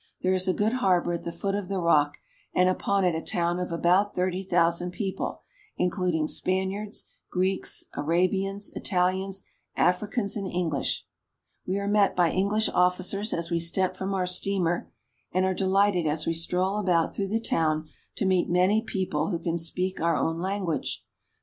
There is a good harbor at the foot of the rock, and upon it a town of about thirty thousand people, including Spaniards, Greeks, Arabians, Italians, Africans, and Eng lish. We are met by English officers as we step from our steamer, and are delighted as we stroll about through the THE KINGDOM OF PORTUGAL.